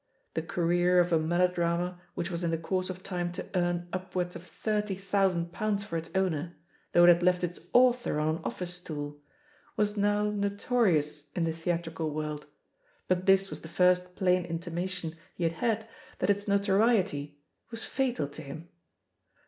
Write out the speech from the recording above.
The career of a melodrama which was in the course of time to earn upwards of thirty thousand pounds for its owner, though it had left its author on an office stool, was none SSfl 5BE POSITION OF PEGGY HAR^Ett notorious in the theatrical world, but this was the first plain intimation he had had that its notoriety was fatal to him.